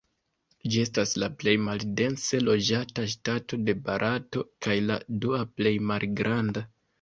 Ĝi estas la plej maldense loĝata ŝtato de Barato, kaj la dua plej malgranda.